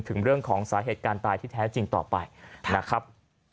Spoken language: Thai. ถึงเรื่องของสาเหตุการณ์ตายที่แท้จริงต่อไปนะครับ